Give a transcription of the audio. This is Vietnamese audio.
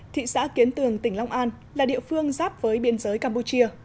thị xã kiến tường tỉnh long an là địa phương giáp với biên giới campuchia